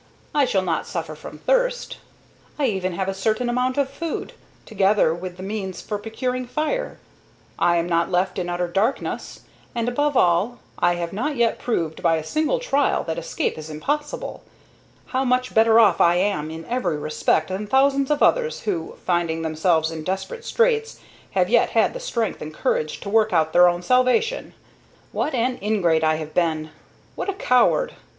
I shall not suffer from thirst. I even have a certain amount of food, together with the means for procuring fire. I am not left in utter darkness, and, above all, I have not yet proved by a single trial that escape is impossible. How much better off I am in every respect than thousands of others, who, finding themselves in desperate straits, have yet had the strength and courage to work out their own salvation! What an ingrate I have been! What a coward!